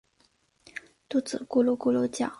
肚子咕噜咕噜叫